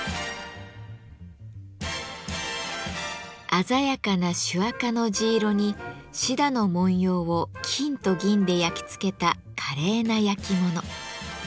鮮やかな朱赤の地色に羊歯の文様を金と銀で焼き付けた華麗な焼き物。